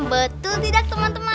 betul tidak teman teman